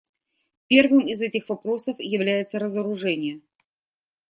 Первым из этих вопросов является разоружение.